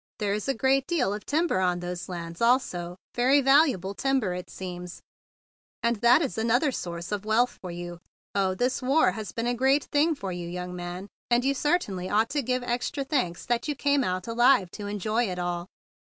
There is a great deal of timber on those lands also, very valuable timber, it seems; and that is another source of wealth for you. Oh, this war has been a great thing for you, yoimg man; and you certainly ought to give extra thanks that you came out alive to enjoy it all.